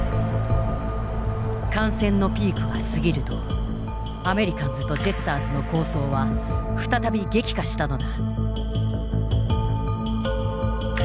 感染のピークが過ぎるとアメリカンズとジェスターズの抗争は再び激化したのだ。